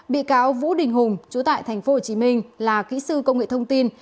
bị cáo vũ đình hùng chú tại tp hcm là kỹ sư công nghệ thông tin